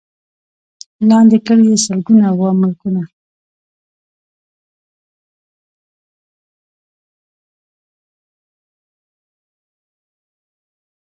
لاندي کړي یې سلګونه وه ملکونه